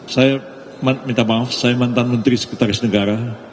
saya minta maaf saya mantan menteri sekretaris negara